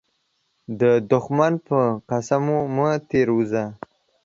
د دښمن په قسمو مه تير وزه.